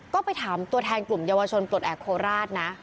ก็ไปถามตัวแทนกลุ่มเยาวชนปลดแอบโคราชนะ